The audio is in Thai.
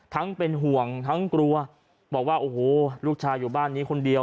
ทั้งเป็นห่วงทั้งกลัวบอกว่าโอ้โหลูกชายอยู่บ้านนี้คนเดียว